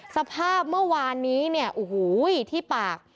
สภาพเมื่อวานนี้เนี่ยโอ้โหที่ปาก